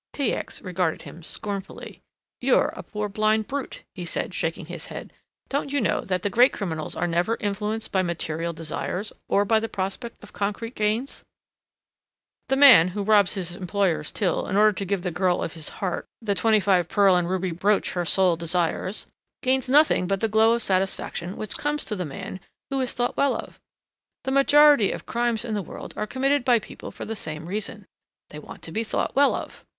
T. X. regarded him scornfully. "You're a poor blind brute," he said, shaking his head; don't you know that great criminals are never influenced by material desires, or by the prospect of concrete gains? The man, who robs his employer's till in order to give the girl of his heart the 25 pearl and ruby brooch her soul desires, gains nothing but the glow of satisfaction which comes to the man who is thought well of. The majority of crimes in the world are committed by people for the same reason they want to be thought well of.